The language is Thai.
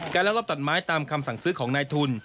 ลักลอบตัดไม้ตามคำสั่งซื้อของนายทุน